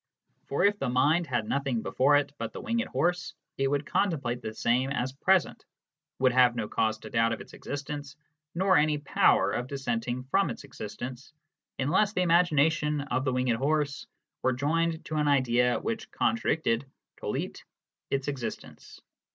For if the mind had nothing before it but the winged horse it would contemplate the same as present, would have no cause to doubt of its existence, nor any power of dissenting from its existence, unless the imagination of the winged horse were joined to an idea which contradicted [tollit] its existence."